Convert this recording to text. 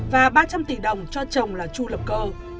và ba trăm linh tỷ đồng cho chồng là chu lập cơ